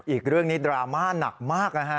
อีกเรื่องนี้ดราม่าหนักมากนะฮะ